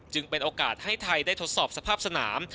เป็นโอกาสให้ไทยได้ทดสอบสภาพสนาม